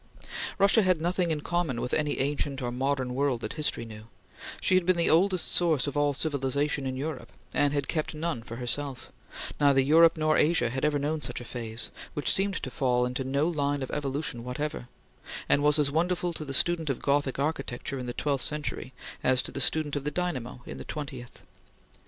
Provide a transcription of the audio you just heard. Russia had nothing in common with any ancient or modern world that history knew; she had been the oldest source of all civilization in Europe, and had kept none for herself; neither Europe nor Asia had ever known such a phase, which seemed to fall into no line of evolution whatever, and was as wonderful to the student of Gothic architecture in the twelfth century, as to the student of the dynamo in the twentieth.